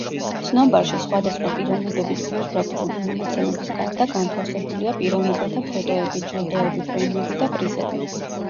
ცნობარში, სხვადასხვა პიროვნებების ბიოგრაფიული მონაცემების გარდა განთავსებულია პიროვნებათა ფოტოები, ჯილდოები, პრემიები და პრიზები.